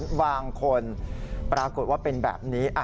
บางคนปรากฏว่าเป็นแบบนี้